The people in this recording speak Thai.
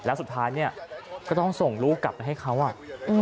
แล้วสุดท้ายเนี่ยก็ต้องส่งลูกกลับไปให้เขาอ่ะอืม